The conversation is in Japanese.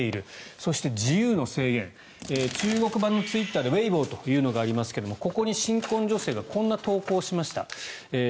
そして、自由の制限中国版のツイッターでウェイボーというのがありますがここに新婚女性がこんな投稿をしました。